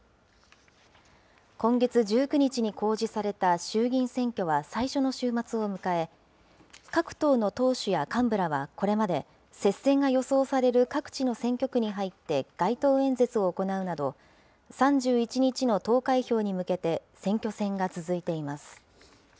今月１９日に公示された衆議院選挙は最初の週末を迎え、各党の党首や幹部らはこれまで、接戦が予想される各地の選挙区に入って、街頭演説を行うなど、３１日の投開票に向けて、選挙戦が続いています。